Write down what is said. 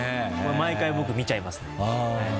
毎回僕見ちゃいますね。